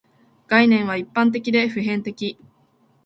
概念は一般的で普遍的